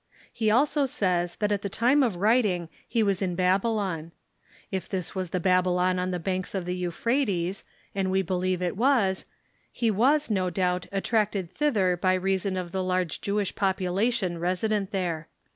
He also says that at the time of writing he was in Bab TIIK SCENE OF THE LABORS OF THE APOSTLES 7 ylon. If this was the Babj lon on the banks of tlie Euphrates — and we believe it Avas — he was, no doubt, attracted thither by reason of the large Jewish population resident there.